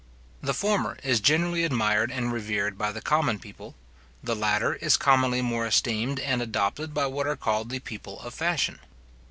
The former is generally admired and revered by the common people; the latter is commonly more esteemed and adopted by what are called the people of fashion.